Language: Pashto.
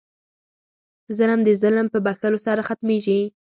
ظلم د ظلم په بښلو سره ختمېږي.